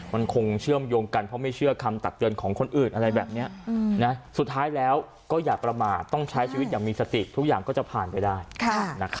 มันคงเชื่อมโยงกันเพราะไม่เชื่อคำตักเตือนของคนอื่นอะไรแบบนี้สุดท้ายแล้วก็อย่าประมาทต้องใช้ชีวิตอย่างมีสติทุกอย่างก็จะผ่านไปได้